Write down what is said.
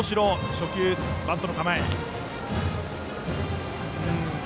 初球はバントの構えから。